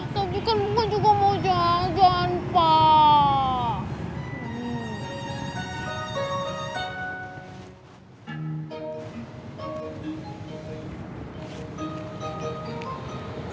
tapi kan gue juga mau jagan pak